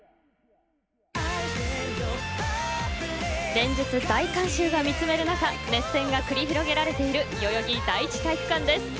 連日、大観衆が見つめる中熱戦が繰り広げられている代々木第一体育館です。